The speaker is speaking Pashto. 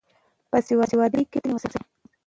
په سوداګرۍ کې رښتیني اوسئ.